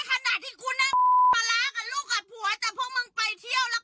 อะไรนักหนาจะยืมแต่เงิน